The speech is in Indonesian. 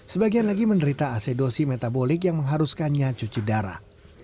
sebagian lagi menderita asidosi metabolik yang mengharuskannya cuci darah